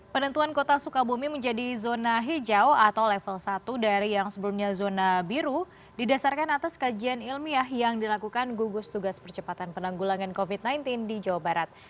penentuan kota sukabumi menjadi zona hijau atau level satu dari yang sebelumnya zona biru didasarkan atas kajian ilmiah yang dilakukan gugus tugas percepatan penanggulangan covid sembilan belas di jawa barat